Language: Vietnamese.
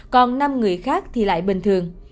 còn năm người khác thì lại bình thường